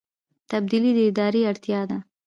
تبدیلي د ادارې اړتیا ده